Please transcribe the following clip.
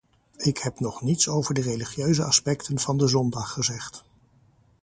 Ik heb nog niets over de religieuze aspecten van de zondag gezegd.